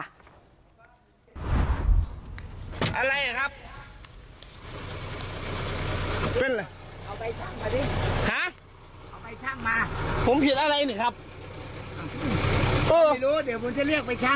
อ้าวคุณกินเหล้ามาด้วยผมถ่ายอยู่นะ